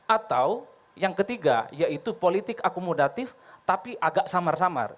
atau yang ketiga yaitu politik akomodatif tapi agak samar samar